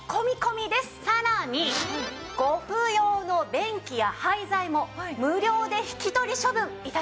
さらにご不要の便器や廃材も無料で引き取り処分致します。